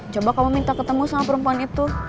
coba kamu minta ketemu sama perempuan itu